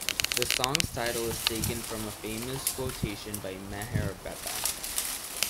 The song's title is taken from a famous quotation by Meher Baba.